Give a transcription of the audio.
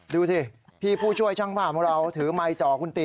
ดูสิพี่ผู้ช่วยช่างภาพของเราถือไมค์จ่อคุณตี